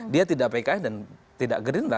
dia tidak pks dan tidak gerindra